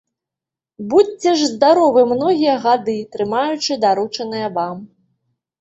Будзьце ж здаровы многія гады, трымаючы даручанае вам.